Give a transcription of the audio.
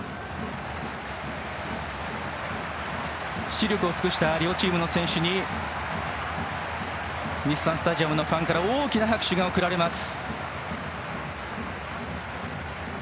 死力を尽くした両チームの選手に日産スタジアムのファンから大きな拍手が送られます。